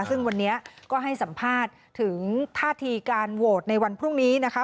ซึ่งวันนี้ก็ให้สัมภาษณ์ถึงท่าทีการโหวตในวันพรุ่งนี้นะคะ